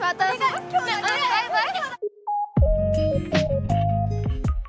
バイバイ。